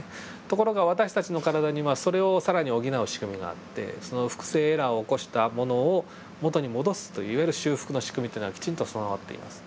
ところが私たちの体にはそれを更に補う仕組みがあってその複製エラーを起こしたものを元に戻すといわゆる修復の仕組みというのはきちんと備わっています。